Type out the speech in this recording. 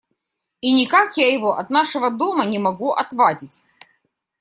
И никак я его от нашего дома не могу отвадить.